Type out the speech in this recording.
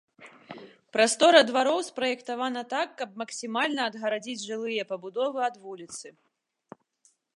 Прастора двароў спраектавана так, каб максімальна адгарадзіць жылыя пабудовы ад вуліцы.